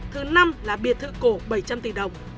thứ năm là biệt thự cổ bảy trăm linh tỷ đồng